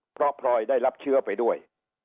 เพราะพลอยได้รับเชื้อไปด้วย